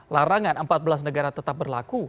larangan empat belas negara tetap berlaku